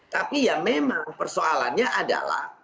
tapi ya memang persoalannya adalah